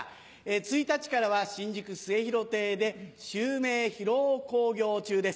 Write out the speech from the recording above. １日からは新宿末廣亭で襲名披露興行中です。